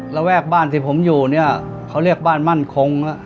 ระแวกบ้านที่ผมอยู่เนี่ยเขาเรียกบ้านมั่นคง